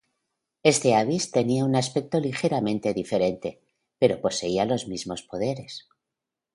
Este Abyss tenía un aspecto ligeramente diferente, pero poseía los mismos poderes.